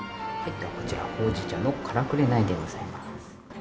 ではこちらほうじ茶の唐紅でございます。